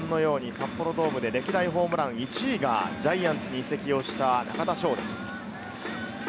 ご覧のように札幌ドームで歴代ホームラン１位がジャイアンツに移籍をした中田翔です。